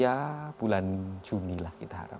ya bulan juni lah kita harap